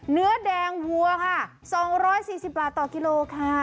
เนื้อแดงวัวค่ะ๒๔๐บาทต่อกิโลค่ะ